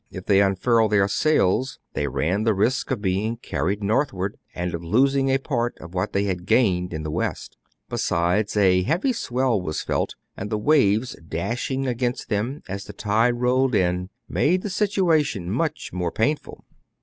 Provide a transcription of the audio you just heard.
If they unfurled their sails, they ran the risk of being carried northward, and of losing a part of what they had gained in the west. Be sides, a heavy swell was felt ; and the waves dash ing against them, as the tide rolled in, made the situation much more painful.